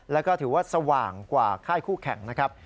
แล้วก็ถือว่าสว่างกว่าค่ายคู่แข่งนะครับ